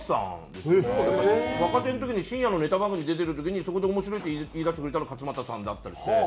えっ！若手の時に深夜のネタ番組出てる時にそこで面白いって言いだしてくれたのが勝俣さんだったりして。